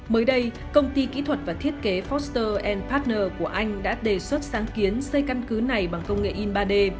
mới đây công ty kỹ thuật và thiết kế foster anner của anh đã đề xuất sáng kiến xây căn cứ này bằng công nghệ in ba d